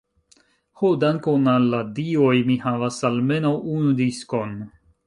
Ho, dankon al la Dioj, mi havas almenaŭ unu diskon.